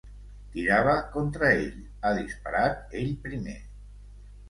Tirava contra ell. Ha disparat ell primer.